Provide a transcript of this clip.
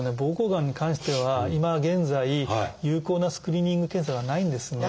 膀胱がんに関しては今現在有効なスクリーニング検査がないんですね。